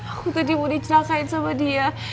aku tadi mau dicelakain sama dia